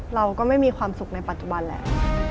เราก็ไม่มีความสุขในปัจจุบันแหละ